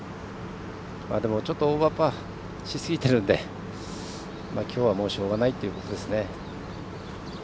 でも、ちょっとオーバーパーしすぎてるのできょうは、もうしょうがないということですね。